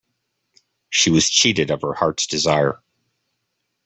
She was cheated of her heart's desire.